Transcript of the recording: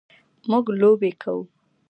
موږ لوبې کوو.